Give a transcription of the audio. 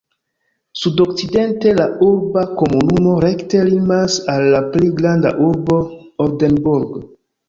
Sudokcidente la urba komunumo rekte limas al la pli granda urbo Oldenburg.